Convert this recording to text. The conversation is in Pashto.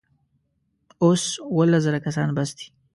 اوس اوولس زره کسان بس دي.